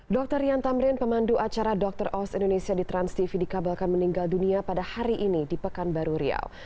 dr rian tamrin pemandu acara dr os indonesia di transtv dikabarkan meninggal dunia pada hari ini di pekanbaru riau